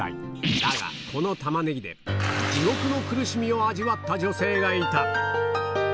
だが、このタマネギで地獄の苦しみを味わった女性がいた。